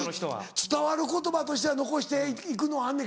伝わる言葉としては残して行くのはあんねん